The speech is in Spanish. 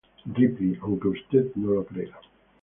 Ripley, ¡aunque usted no lo crea!